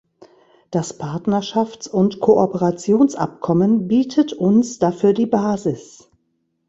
Das Partnerschafts- und Kooperationsabkommen bietet uns dafür die Basis.